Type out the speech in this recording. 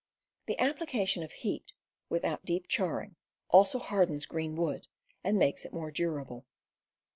The application of heat, without deeply charring, also hardens green wood, and makes it more durable.